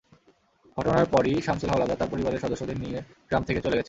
ঘটনার পরই শামছুল হাওলাদার তাঁর পরিবারের সদস্যদের নিয়ে গ্রাম থেকে চলে গেছেন।